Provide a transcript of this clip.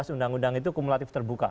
undang undang itu kumulatif terbuka